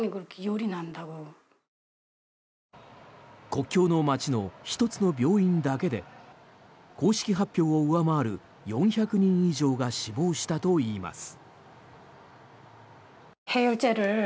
国境の街の１つの病院だけで公式発表を上回る４００人以上が死亡したといいます。